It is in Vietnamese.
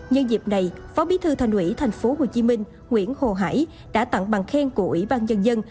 nhân dịp này phó bí thư thành ủy tp hcm nguyễn hồ hải đã tặng bằng khen của ủy ban nhân dân